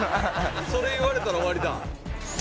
それ言われたら終わりだ。